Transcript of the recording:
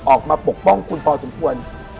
ออกมาปกป้องคุณพอสมควร